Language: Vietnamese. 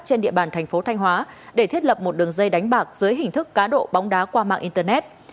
trên địa bàn thành phố thanh hóa để thiết lập một đường dây đánh bạc dưới hình thức cá độ bóng đá qua mạng internet